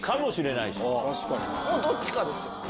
どっちかですよ。